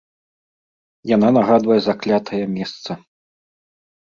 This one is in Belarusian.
Яна нагадвае заклятае месца.